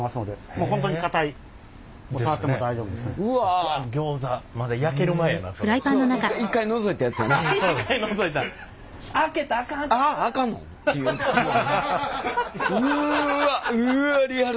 うわっうわっリアル。